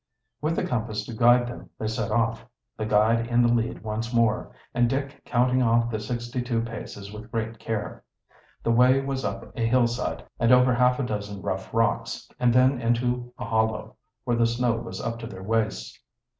With the compass to guide them they set off, the guide in the lead once more, and Dick counting off the sixty two paces with great care. The way was up a hillside and over half a dozen rough rocks, and then into a hollow where the snow was up to their waists.